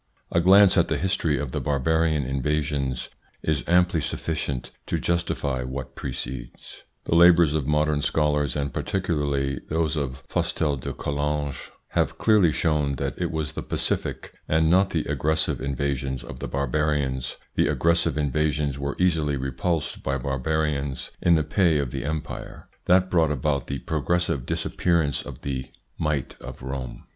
A glance at the history of the barbarian invasions is amply sufficient to justify what precedes. The labours of modern scholars, and particularly those of Fustel de Coulanges, have clearly shown that it was the pacific and not the aggressive invasions of the Barbarians the aggressive invasions were easily repulsed by Barbarians in the pay of the ITS INFLUENCE ON THEIR EVOLUTION 157 empire that brought about the progressive dis appearance of the might of Rome.